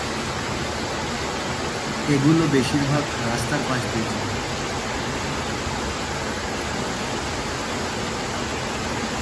এগুলো বেশির ভাগ রাস্তার পাশে দিয়ে চলে।